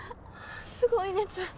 すごい熱！